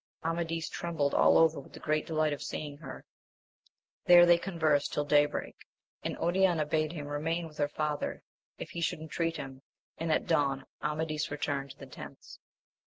Amadis trembled all over with the great delight of seeing her ; there they conversed till daybreak, and Oriana bade him remain with her father if he should intreat him, and at dawn Amadis returned to the tents.